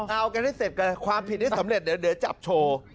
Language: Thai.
เอากันให้เสร็จกันความผิดให้สำเร็จเดี๋ยวจับโชว์